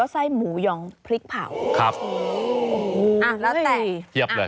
ไซส์ลำไย